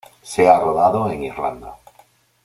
Se ha rodado en Irlanda.